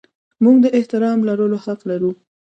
موږ د احترام لرلو حق لرو.